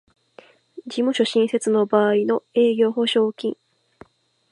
事務所新設の場合の営業保証金